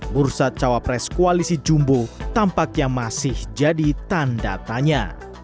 bursa cawapres koalisi jumbo tampaknya masih jadi tanda tanya